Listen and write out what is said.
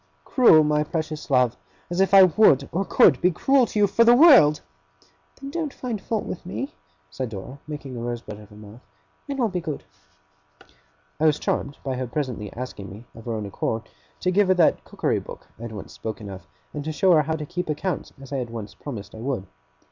'Cruel, my precious love! As if I would or could be cruel to you, for the world!' 'Then don't find fault with me,' said Dora, making a rosebud of her mouth; 'and I'll be good.' I was charmed by her presently asking me, of her own accord, to give her that cookery book I had once spoken of, and to show her how to keep accounts as I had once promised I would.